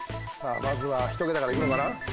まずは一桁からいくのかな？